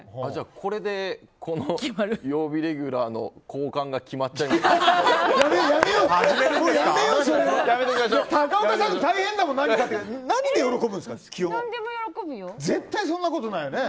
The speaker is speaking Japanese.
これでこの曜日レギュラーの交換が決まっちゃいますね。